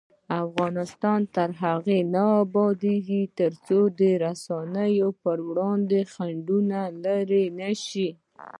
افغانستان تر هغو نه ابادیږي، ترڅو د رسنیو پر وړاندې خنډونه لیرې نشي.